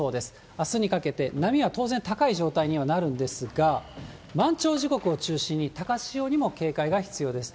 あすにかけて、波は当然、高い状態にはなるんですが、満潮時刻を中心に、高潮にも警戒が必要です。